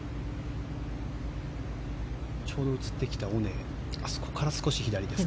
ちょうど映ってきた尾根あそこから少し左ですか。